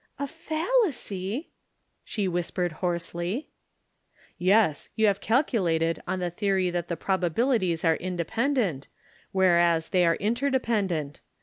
"A fallacy!" she whispered hoarsely. "Yes, you have calculated on the theory that the probabilities are independent, whereas they are interdependent.